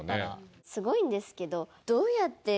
すごいんですけど。